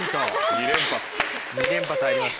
２連発。